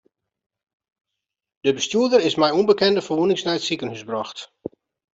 De bestjoerder is mei ûnbekende ferwûnings nei it sikehús brocht.